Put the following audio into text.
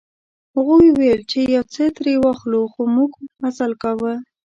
هغوی ویل چې یو څه ترې واخلو خو موږ مزل کاوه.